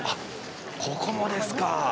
ここもですか。